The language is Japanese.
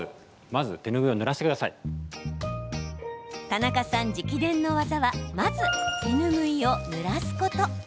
田中さん直伝の技はまず手ぬぐいをぬらすこと。